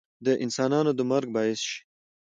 د انسانانو د مرګ باعث شي